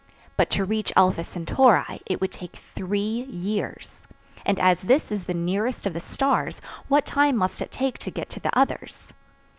But to reach Alpha Centauri it would take three years; and as this is the nearest of the stars, what time must it take to get to the others?